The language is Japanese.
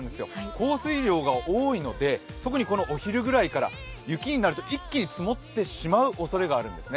降水量が多いので特にこのお昼ぐらいから雪になると一気に積もってしまうおそれがあるんですね。